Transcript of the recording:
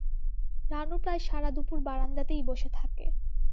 রানু প্রায় সারা দুপুর বারান্দাতেই বসে থাকে।